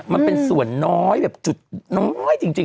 มันเป็นส่วนน้อยแบบจุดน้อยจริง